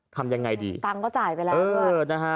ทำยังไงดีตังก็จ่ายไปแล้วด้วย